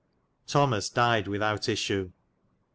Thomas dyed without ysswe.